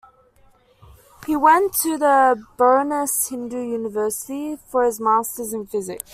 He went to the Benaras Hindu University for his Masters in Physics.